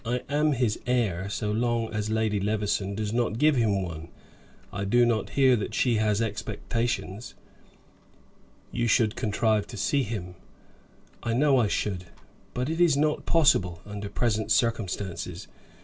"I am his heir, so long as Lady Levison does not give him one. I do not hear that she has expectations." "You should contrive to see him." "I know I should; but it is not possible under present circumstances.